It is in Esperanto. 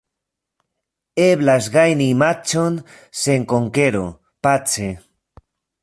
Eblas gajni matĉon sen konkero, pace.